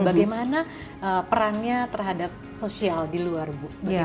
bagaimana perannya terhadap sosial di luar bu